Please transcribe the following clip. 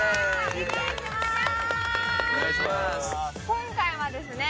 今回はですね